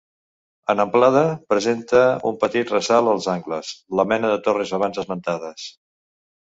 En amplada, presenta un petit ressalt als angles –la mena de torres abans esmentades-.